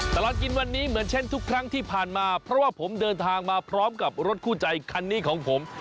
ตลอดกินวันนี้เหมือนเช่นทุกครั้งที่ผ่านมาเพราะว่าผมเดินทางมาพร้อมกับรถคู่ใจคันนี้ของผม